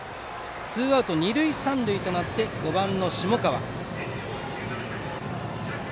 ツーアウト二塁三塁となって５番の下川。